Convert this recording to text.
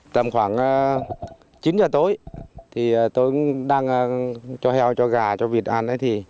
tầm khoảng chín giờ tối tôi đang cho heo cho gà cho vịt ăn